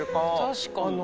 確かに。